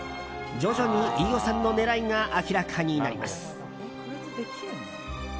徐々に飯尾さんの狙いが明らかになります。